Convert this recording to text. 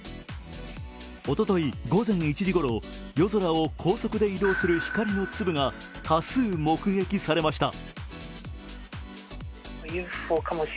おととい午前１時ごろ夜空を高速で移動する光の粒が多数目撃されました。